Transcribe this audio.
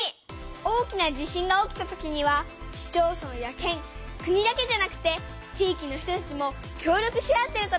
大きな地震が起きたときには市町村や県国だけじゃなくて地域の人たちも協力し合ってることがわかったよ！